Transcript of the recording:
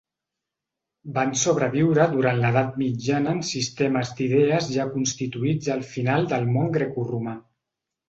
Van sobreviure durant l'Edat Mitjana en sistemes d'idees ja constituïts al final del món grecoromà.